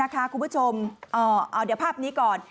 คุณผู้ชมเอาเดี๋ยวภาพนี้ก่อน